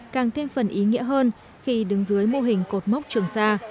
càng thêm phần ý nghĩa hơn khi đứng dưới mô hình cột mốc trường xa